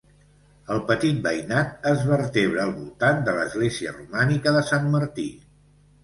El petit veïnat es vertebra al voltant de l'església romànica de Sant Martí.